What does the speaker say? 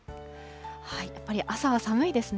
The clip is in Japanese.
やっぱり朝は寒いですね。